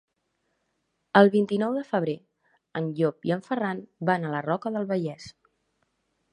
El vint-i-nou de febrer en Llop i en Ferran van a la Roca del Vallès.